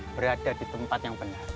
berada di tempat yang benar